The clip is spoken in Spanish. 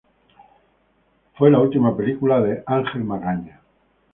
Fue la última película de Ángel Magaña.